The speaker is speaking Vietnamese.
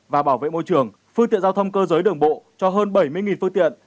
và bảo vệ môi trường phương tiện giao thông cơ giới đường bộ cho hơn bảy mươi phương tiện